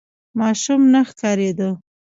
ماشوم نه ښکارېده.